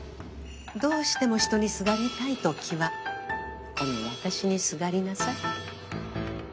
どうしても人にすがりたいときはこの私にすがりなさい。